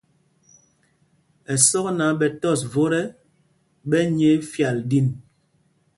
Ɛsɔk náǎ ɓɛ tɔs vot ɛ, ɓɛ nyɛɛ fyal ɗin.